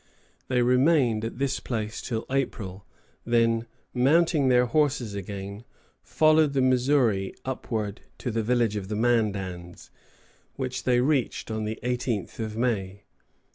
They remained at this place till April; then, mounting their horses again, followed the Missouri upward to the village of the Mandans, which they reached on the 18th of May.